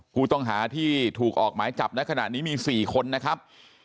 ผู้ต้องหาที่ถูกออกหมายจับในขณะนี้มี๔คนนะครับ